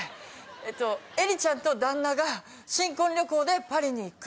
えっとエリちゃんと旦那が新婚旅行でパリに行く。